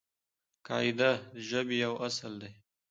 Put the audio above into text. قاعده د ژبې یو اصل دئ.